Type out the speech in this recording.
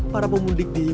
para pemudik di